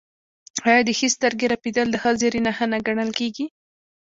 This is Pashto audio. آیا د ښي سترګې رپیدل د ښه زیری نښه نه ګڼل کیږي؟